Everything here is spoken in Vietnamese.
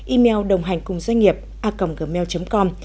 email đồnghànhcungdoanh nghiệp a gmail com